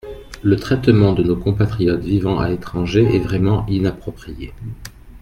Le traitement de nos compatriotes vivant à l’étranger est vraiment inapproprié.